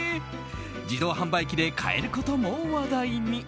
自動販売機で買えることも話題に。